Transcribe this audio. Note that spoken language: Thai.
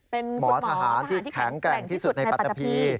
เป็นหมอทหารที่แข็งแกร่งที่สุดในปัตตะพี